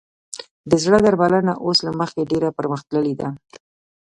د زړه درملنه اوس له مخکې ډېره پرمختللې ده.